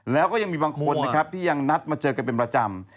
แล้วก็ยังมีบางคนนะครับที่ยังนัดมาเจอกันเป็นประจำ